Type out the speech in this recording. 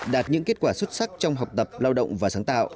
đạt những kết quả xuất sắc trong học tập lao động và sáng tạo